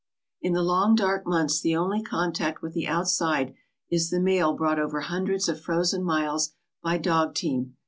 In the long, dark months the only contact with the outside is the mail brought over hundreds of frozen miles by dog team.